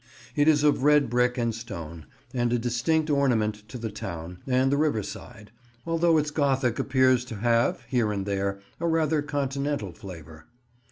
It is of red brick and stone, and a distinct ornament to the town and the riverside, although its gothic appears to have here and there a rather Continental flavour.